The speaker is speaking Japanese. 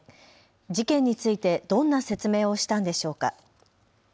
事件についてどんな説明をしたんでしょうか。